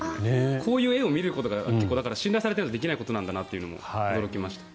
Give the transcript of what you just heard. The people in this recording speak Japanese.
こういう画を見ると信頼されてないとできないことなんだなと驚きました。